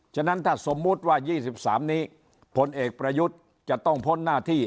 ฉะนั้นถ้าสมมุติว่า๒๓นี้ผลเอกประยุทธ์จะต้องพ้นหน้าที่